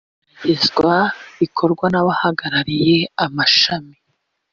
igeragezwa rikorwa n’abahagarariye amashami